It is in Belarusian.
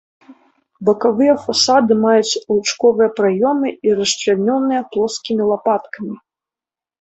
Бакавыя фасады маюць лучковыя праёмы і расчлянёныя плоскімі лапаткамі.